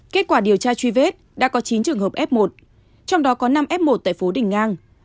kết quả điều tra truy vết đã có chín trường hợp f một trong đó có năm f một tại phố đình ngang